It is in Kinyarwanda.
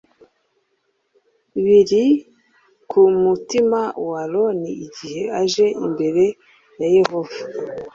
biri ku mutima wa Aroni igihe aje imbere ya Yehova